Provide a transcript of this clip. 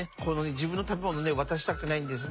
自分の食べ物をね渡したくないんですね。